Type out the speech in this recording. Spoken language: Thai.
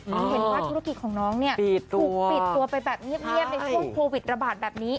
เห็นว่าธุรกิจของน้องเนี่ยถูกปิดตัวไปแบบเงียบในช่วงโควิดระบาดแบบนี้